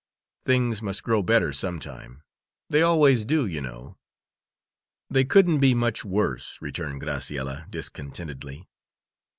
Things must grow better some time they always do, you know." "They couldn't be much worse," returned Graciella, discontentedly.